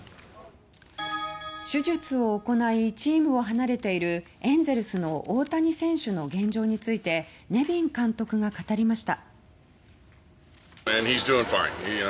手術を行いチームを離れているエンゼルスの大谷選手の現状についてネビン監督が語りました。